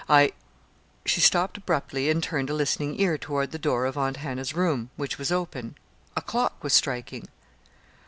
I " She stopped abruptly and turned a listening ear toward the door of Aunt Hannah's room, which was open. A clock was striking.